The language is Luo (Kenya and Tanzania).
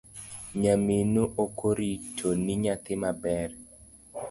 Nyaminu okoritoni nyathi maber.